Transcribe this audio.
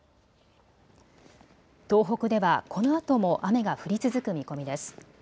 東北ではこのあとも雨が降り続く見込みです。